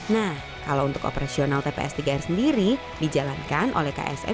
nah kalau untuk operasional tps tiga r sendiri dijalankan oleh ksn